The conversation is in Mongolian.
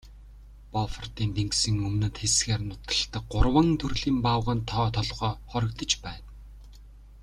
Бофортын тэнгисийн өмнөд хэсгээр нутагладаг гурван төрлийн баавгайн тоо толгой хорогдож байна.